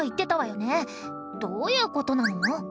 どういうことなの？